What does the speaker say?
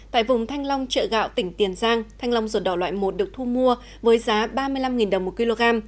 tại vùng thanh long chợ gạo tỉnh tiền giang thanh long ruột đỏ loại một được thu mua với giá ba mươi năm đồng một kg